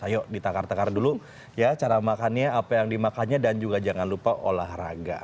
ayo ditakar takar dulu ya cara makannya apa yang dimakannya dan juga jangan lupa olahraga